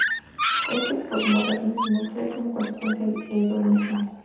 Este posmodernismo trae como consecuencia el hedonismo.